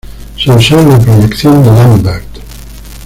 Se usó la proyección de Lambert.